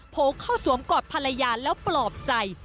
โผล่เข้าสวมกอดภรรยาแล้วปลอบใจ